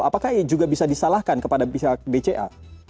apakah juga bisa disalahkan kepada pihak bca